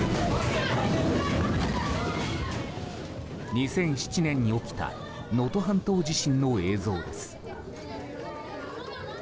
２００７年に起きた能登半島地震の映像です。